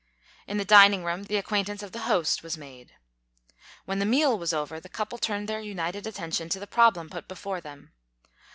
In the dining room the acquaintance of the host was made. When the meal was over, the couple turned their united attention to the problem put before them.